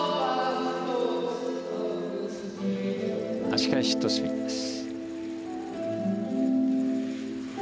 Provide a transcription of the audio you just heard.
足換えシットスピンです。